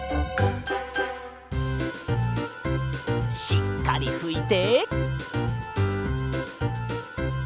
しっかりふいて。